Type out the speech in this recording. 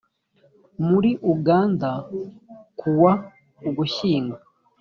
muri uganda ku wa ugushyingo